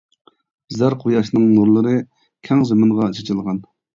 زەر قۇياشنىڭ نۇرلىرى، كەڭ زېمىنغا چېچىلغان.